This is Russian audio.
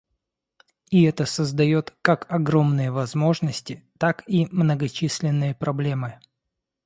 И это создает как огромные возможности, так и многочисленные проблемы.